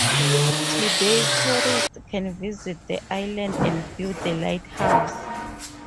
Today, tourists can visit the island and view the lighthouse.